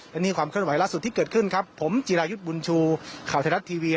และนี่ความเคลื่อนไหวล่าสุดที่เกิดขึ้นครับผมจิรายุทธ์บุญชูข่าวไทยรัฐทีวี